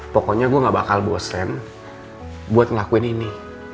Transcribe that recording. pokoknya gue gak bakal bosen buat ngelakuin ini